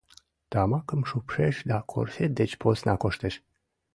Тамакым шупшеш да корсет деч посна коштеш.